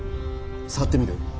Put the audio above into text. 触ってみる？